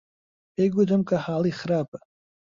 پێی گوتم کە حاڵی خراپە.